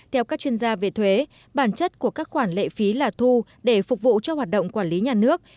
theo các chuyên gia về thuế bản chất của các khoản lệ phí là thu để phục vụ cho hoạt động quản lý nhà nước